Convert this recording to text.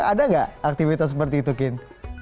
ada nggak aktivitas seperti itu kin